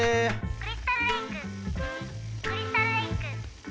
クリスタルレイククリスタルレイク。